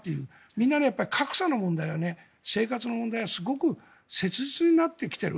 みんな格差の問題は生活の問題はすごく切実になってきている。